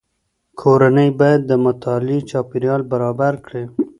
کورنۍ باید د مطالعې چاپیریال برابر کړي.